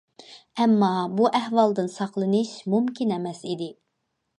ئەمما، بۇ ئەھۋالدىن ساقلىنىش مۇمكىن ئەمەس ئىدى.